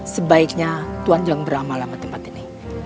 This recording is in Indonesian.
sebaiknya tuhan jangan beramal sama tempat ini